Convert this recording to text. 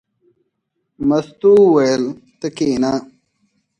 مستو وویل: ته کېنه.